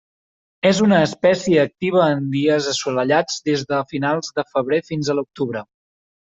És una espècia activa en dies assolellats des de finals de febrer fins a l'octubre.